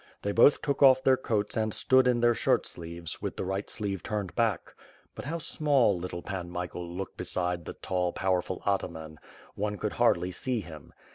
They both took off their coats and stood in their shirt sleeves, with the right sleeve turned back. But how small little Pan Michael looked beside the tall, powerful ataman; one could hardly see him.